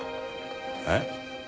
えっ？